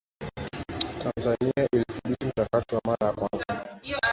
Tanzania ilidhibiti mchakato kwa mara ya kwanza